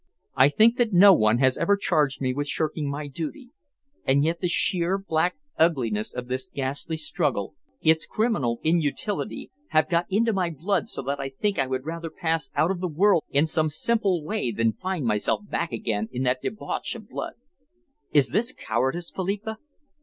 I think that no one has ever charged me with shirking my duty, and yet the sheer, black ugliness of this ghastly struggle, its criminal inutility, have got into my blood so that I think I would rather pass out of the world in some simple way than find myself back again in that debauch of blood. Is this cowardice, Philippa?"